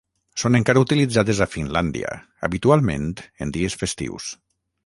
Són encara utilitzades a Finlàndia, habitualment en dies festius.